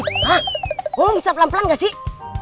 saham pelan pelan ga sih